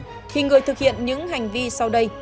khi người thực hiện những hành vi sau đây